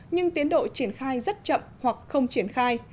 nhưng tiến độ triển khai rất chậm hoặc không triển khai